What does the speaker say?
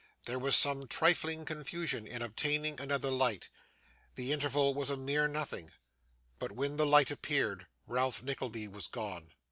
There was some trifling confusion in obtaining another light; the interval was a mere nothing; but when the light appeared, Ralph Nickleby was gone.